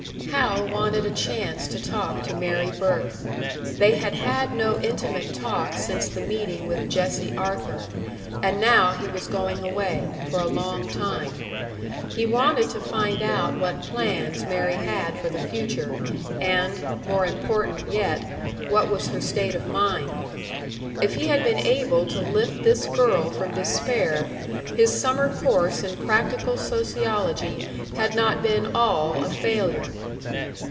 Hal wanted a chance to talk to Mary Burke; they had had no intimate talk since the meeting with Jessie Arthur, and now he was going away, for a long time. He wanted to find out what plans Mary had for the future, and more important yet what was her state of mind. If he had been able to lift this girl from despair, his summer course in practical sociology had not been all a failure!